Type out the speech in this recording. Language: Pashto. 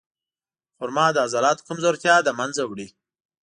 خرما د عضلاتو کمزورتیا له منځه وړي.